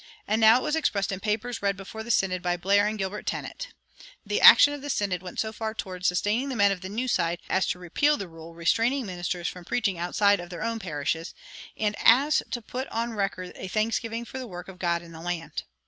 And now it was expressed in papers read before the synod by Blair and Gilbert Tennent. The action of the synod went so far toward sustaining the men of the New Side as to repeal the rule restraining ministers from preaching outside of their own parishes, and as to put on record a thanksgiving for the work of God in the land.